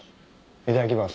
いただきます。